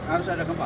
harus ada gempa